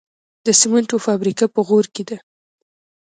د سمنټو فابریکه په غوري کې ده